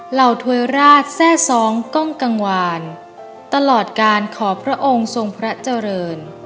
เหวยราชแทร่ซ้องกล้องกังวานตลอดการขอพระองค์ทรงพระเจริญ